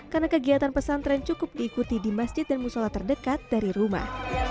karena kegiatan pesantren cukup diikuti di masjid dan musyola terdekat dari rumah